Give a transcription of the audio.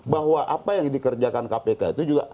bahwa apa yang dikerjakan kpk itu juga